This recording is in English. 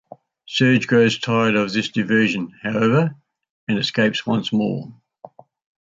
Serge grows tired of this diversion, however, and escapes once more.